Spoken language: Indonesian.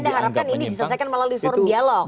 jadi anda harapkan ini diselesaikan melalui form dialog